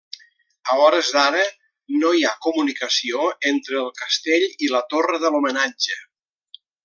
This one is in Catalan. A hores d'ara, no hi ha comunicació entre el castell i la torre de l'homenatge.